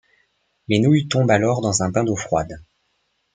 Les nouilles tombent alors dans un bain d'eau froide.